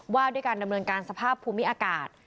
ว่าด้วยการดำเนินการสภาพภูมิอากาศ